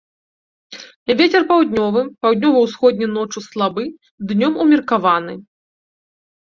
Вецер паўднёвы, паўднёва-ўсходні ноччу слабы, днём умеркаваны.